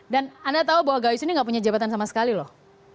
dan anda tahu bahwa gayus ini gak punya jabatan sama sekali loh